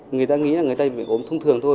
người ta nghĩ là người ta bị ốm thông thường thôi